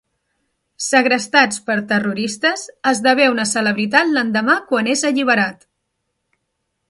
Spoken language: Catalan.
Segrestats per terroristes, esdevé una celebritat l'endemà quan és alliberat.